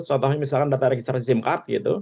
contohnya misalkan data registrasi sim card gitu